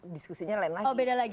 diskusinya lain lagi